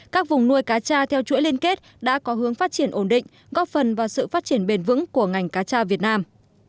các vùng nuôi cá tra theo chuỗi liên kết đã có hướng phát triển ổn định góp phần vào sự phát triển bền vững của ngành cá tra việt nam